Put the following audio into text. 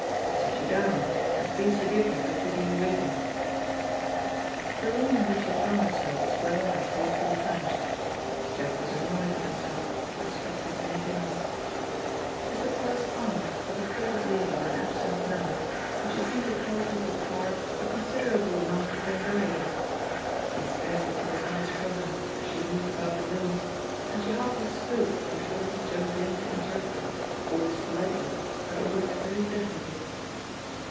"Sit you down, and please forgive me for keeping you waiting." The room in which he found himself was well and tastefully furnished. Jack was annoyed with himself for expecting anything else. Mr. Parr's aunt was a faded lady with an absent manner, and she seemed to cause Mr. Parr a considerable amount of anxiety. He scarcely took his eyes from her as she moved about the room, and she hardly spoke before he jumped in to interrupt her, always politely, but always very definitely.